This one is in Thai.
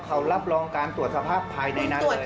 เขารับรองการตรวจสภาพภายในนั้นเลย